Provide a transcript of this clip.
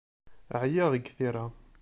Ɛyiɣ g tira.